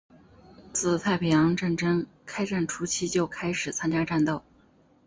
自太平洋战争开战初期就开始参加战斗。